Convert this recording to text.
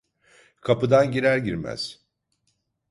Kapıdan girer girmez…